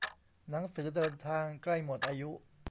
หนังสือเดินทางใกล้หมดอายุ